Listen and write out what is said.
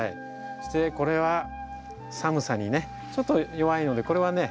これは寒さにねちょっと弱いのでこれはね